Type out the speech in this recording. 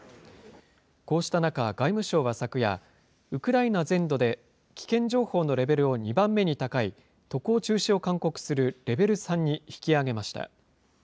こうした中、外務省は昨夜、ウクライナ全土で、危険情報のレベルを２番目に高い、渡航中止を勧告するレベル３に引き上げました。